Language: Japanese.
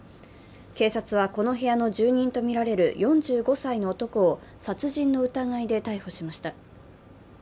警察は、この部屋の住人とみられる４５歳の男を殺人の疑いで逮捕しました。